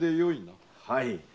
はい。